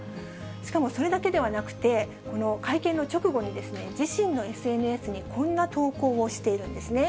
しかもそれだけではなくて、この会見の直後に、自身のＳＮＳにこんな投稿をしているんですね。